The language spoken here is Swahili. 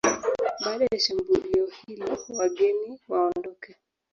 Baada ya shambulio hili wageni waondoke